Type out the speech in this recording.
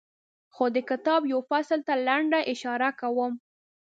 خو د کتاب یوه فصل ته لنډه اشاره کوم.